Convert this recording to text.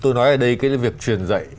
tôi nói ở đây cái việc truyền dạy